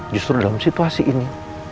justru dalam situasi ini